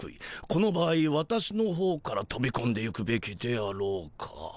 この場合私のほうからとびこんでいくべきであろうか？